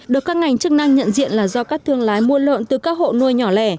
được các ngành chức năng nhận diện là do các thương lái mua lợn từ các hộ nuôi nhỏ lẻ